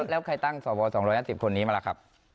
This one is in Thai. แล้วใครตั้งสว๒๕๐คนนี้มาล่ะครับ